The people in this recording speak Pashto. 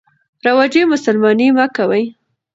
رواجي مسلماني مه کوئ.